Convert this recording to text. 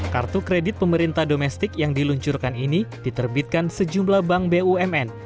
kartu kredit pemerintah domestik yang diluncurkan ini diterbitkan sejumlah bank bumn